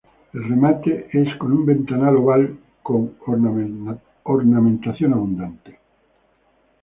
El remate es con un ventanal oval con una ornamentación abundante.